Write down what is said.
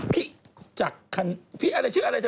พี่อะไรชื่ออะไรเธอ